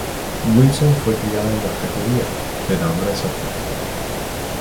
Wilson fue criada en la fe judía, pero ahora es atea.